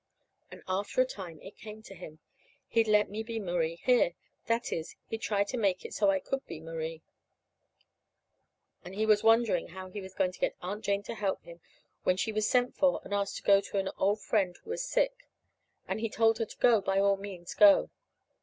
And after a time it came to him he'd let me be Marie here; that is, he'd try to make it so I could be Marie. And he was just wondering how he was going to get Aunt Jane to help him when she was sent for and asked to go to an old friend who was sick. And he told her to go, by all means to go.